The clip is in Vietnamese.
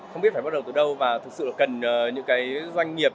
không biết phải bắt đầu từ đâu và thực sự cần những doanh nghiệp